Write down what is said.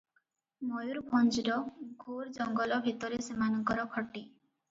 ମୟୁରଭଞ୍ଜର ଘୋର ଜଙ୍ଗଲ ମଧ୍ୟରେ ସେମାନଙ୍କର ଖଟି ।